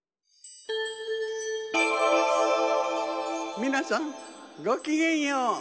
みなさんごきげんよう。